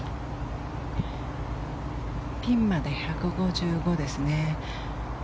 ピンまで１５５ですね。